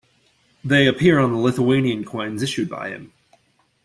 They appear on the Lithuanian coins issued by him.